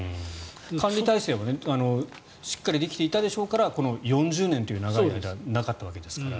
管理体制はしっかりできていたでしょうから４０年という長い間なかったわけですから。